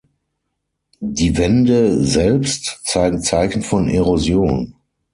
Die Wände selbst zeigen Zeichen von Erosion.